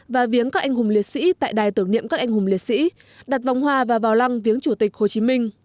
và viếng các anh hùng liệt sĩ tại đài tưởng niệm các anh hùng liệt sĩ đặt vòng hoa và vào lăng viếng chủ tịch hồ chí minh